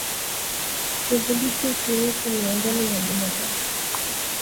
Kudhibiti ukurutu miongoni mwa binadamu